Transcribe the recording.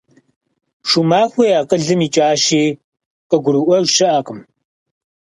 Шумахуэ и акъылым икӀащи, къыгурыӀуэж щыӀэкъым.